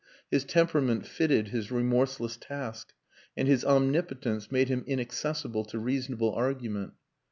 His temperament fitted his remorseless task, and his omnipotence made him inaccessible to reasonable argument.